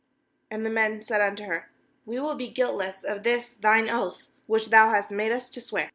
17And the men said unto her: 'We will be guiltless of this thine oath which thou hast made us to swear.